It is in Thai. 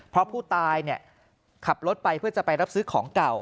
เพราะผู้ตายขับรถไปเพื่อจะไปรับซื้อของเก่า